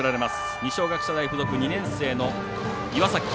二松学舎大付属２年生の岩崎。